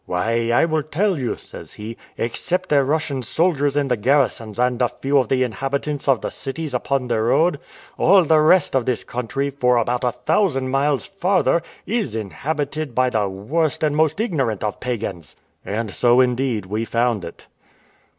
"Why, I will tell you," says he; "except the Russian soldiers in the garrisons, and a few of the inhabitants of the cities upon the road, all the rest of this country, for above a thousand miles farther, is inhabited by the worst and most ignorant of pagans." And so, indeed, we found it.